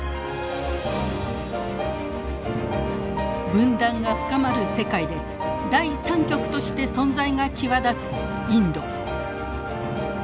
分断が深まる世界で第３極として存在が際立つインド。